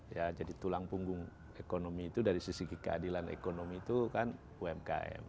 ya jadi tulang punggung ekonomi itu dari sisi keadilan ekonomi itu kan umkm